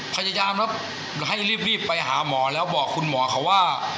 พยายามแล้วให้รีบไปหาหมอแล้วบอกคุณหมอเขาว่า